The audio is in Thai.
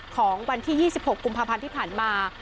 ของวันที่๒๖กุมภาพันธ์ที่ผ่านมา